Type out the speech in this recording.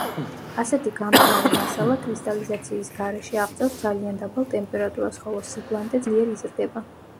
ასეთი გამდნარი მასალა კრისტალიზაციის გარეშე აღწევს ძალიან დაბალ ტემპერატურას, ხოლო სიბლანტე ძლიერ იზრდება.